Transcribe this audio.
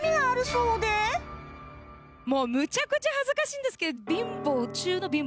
もうむちゃくちゃ恥ずかしいんですけど。